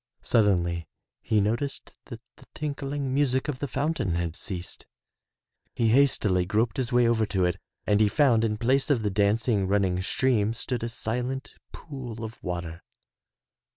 Suddenly he noticed that the tinkling music of the fountain had ceased. He hastily groped his way over to it and he found in place of the dancing, running stream stood a silent pool of water.